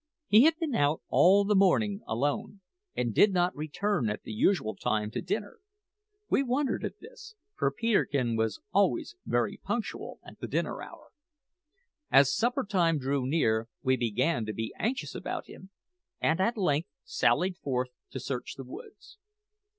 He had been out all the morning alone, and did not return at the usual time to dinner. We wondered at this, for Peterkin was always very punctual at the dinner hour. As supper time drew near we began to be anxious about him, and at length sallied forth to search the woods.